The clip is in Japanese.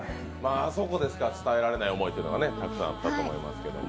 あそこでしか伝えられない思いがたくさんあったと思いますけど。